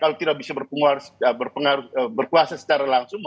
kalau tidak bisa berpengaruh berkuasa secara langsung